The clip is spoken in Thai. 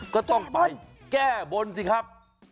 ก็ต้องไปแก้บนสิครับ